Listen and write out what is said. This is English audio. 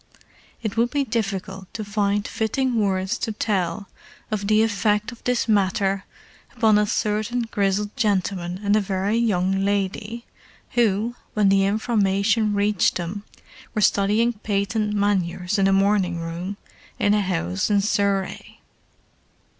It would be difficult to find fitting words to tell of the effect of this matter upon a certain grizzled gentleman and a very young lady who, when the information reached them were studying patent manures in a morning room in a house in Surrey.